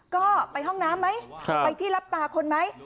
ก็ไปห้องน้ำไหมไปที่รับตาคนไหม